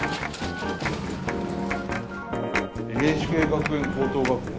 「ＮＨＫ学園高等学校」。